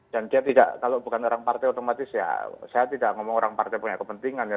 dan dia tidak kalau bukan orang partai otomatis ya saya tidak ngomong orang partai punya kepentingan ya